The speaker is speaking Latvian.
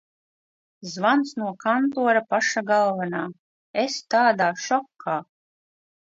Zvans no kantora paša galvenā. Es tādā šokā.